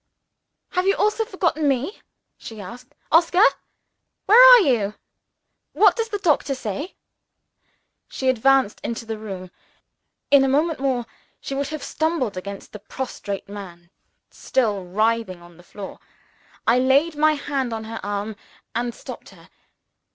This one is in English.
"Have you all forgotten me?" she asked. "Oscar! where are you? What does the doctor say?" She advanced into the room. In a moment more, she would have stumbled against the prostrate man still writhing on the floor. I laid my hand on her arm, and stopped her.